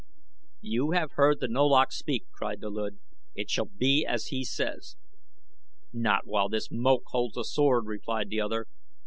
"You have heard the Nolach speak," cried the Luud. "It shall be as he says." "Not while this Moak holds a sword," replied the other.